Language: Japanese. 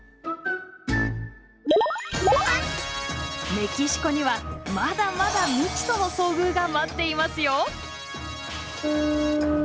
メキシコにはまだまだ未知との遭遇が待っていますよ！